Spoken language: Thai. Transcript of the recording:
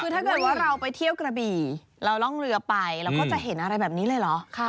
คือถ้าเกิดว่าเราไปเที่ยวกระบี่เราร่องเรือไปเราก็จะเห็นอะไรแบบนี้เลยเหรอ